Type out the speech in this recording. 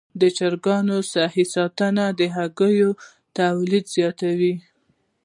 د چرګانو صحي ساتنه د هګیو تولید زیاتوي.